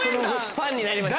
ファンになりました？